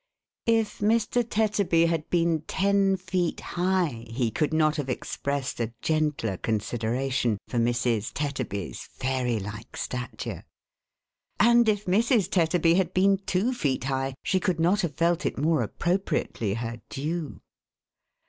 If Mr. Tetterby had been ten feet high, he could not have expressed a gentler consideration for Mrs. Tetterby's fairy like stature ; and if Mrs. Tetterby had been two feet high, she could not have felt it more appropriately her due.